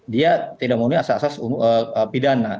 dia tidak memenuhi asas asas pidana